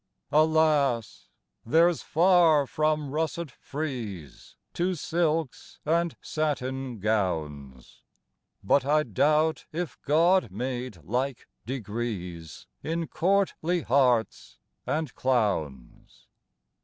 Alas! there's far from russet frieze To silks and satin gowns, But I doubt if God made like degrees In courtly hearts and clowns.